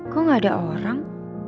kok gak ada orang